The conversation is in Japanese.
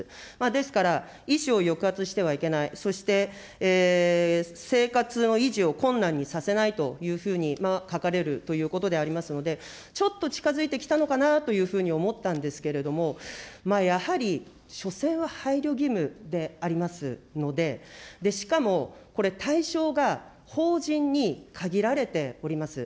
ですから、意思を抑圧してはいけない、そして生活の維持を困難にさせないというふうに書かれるということでありますので、ちょっと近づいてきたのかなというふうに思ったんですけれども、やはりしょせんは配慮義務でありますので、しかもこれ、対象が法人に限られております。